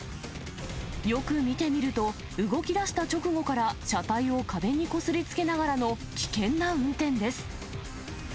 よく見てみると、動きだした直後から、車体を壁にこすりつけながらの危険な運転です。